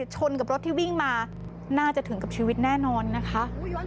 ชนกับรถที่วิ่งมาน่าจะถึงกับชีวิตแน่นอนนะคะ